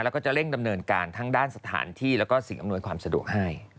แล้วก็จะเร่งดำเนินการทั้งด้านสถานที่แล้วก็สิ่งอำนวยความสะดวกให้